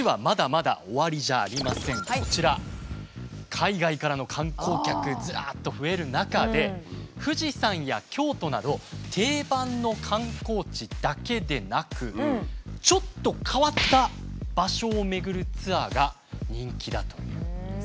海外からの観光客ずらっと増える中で富士山や京都など定番の観光地だけでなくちょっと変わった場所を巡るツアーが人気だということです。